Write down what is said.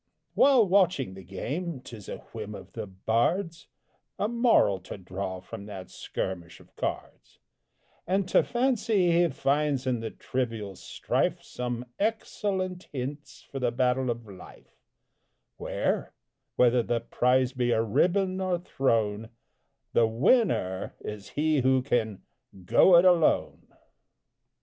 '" While watching the game, 'tis a whim of the bard's A moral to draw from that skirmish of cards, And to fancy he finds in the trivial strife Some excellent hints for the battle of Life; Where whether the prize be a ribbon or throne The winner is he who can "go it alone!"